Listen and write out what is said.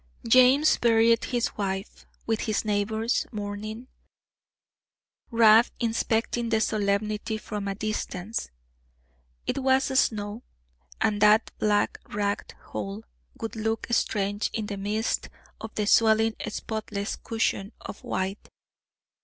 James buried his wife, with his neighbors mourning, Rab inspecting the solemnity from a distance. It was snow, and that black ragged hole would look strange in the midst of the swelling spotless cushion of white.